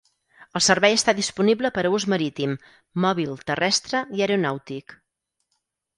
El servei està disponible per a ús marítim, mòbil terrestre i aeronàutic.